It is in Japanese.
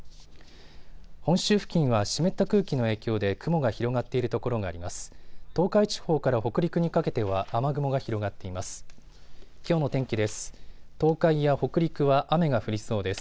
本州付近は湿った空気の影響で雲が広がっている所があります。